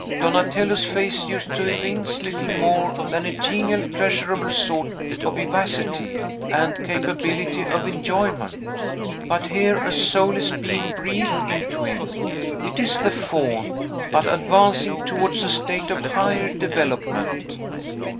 Donatello's face used to evince little more than a genial, pleasurable sort of vivacity, and capability of enjoyment. But here, a soul is being breathed into him; it is the Faun, but advancing towards a state of higher development."